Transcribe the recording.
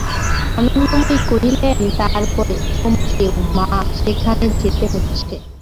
আনন্দময়ী কহিলেন, তার পরে, তোমাকেও, মা, সেখান যেতে হচ্ছে।